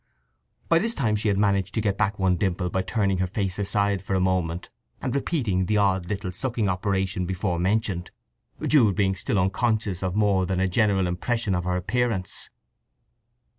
By this time she had managed to get back one dimple by turning her face aside for a moment and repeating the odd little sucking operation before mentioned, Jude being still unconscious of more than a general impression of her appearance.